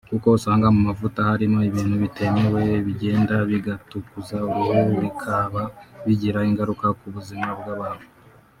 kuko usanga mu mavuta harimo ibintu bitemewe bigenda bigatukuza uruhu bikaba bigira ingaruka ku buzima bw’abantu